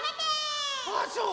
ああそう。